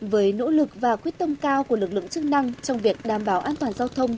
với nỗ lực và quyết tâm cao của lực lượng chức năng trong việc đảm bảo an toàn giao thông